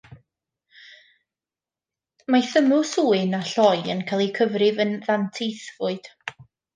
Mae thymws ŵyn a lloi yn cael eu cyfrif yn ddanteithfwyd.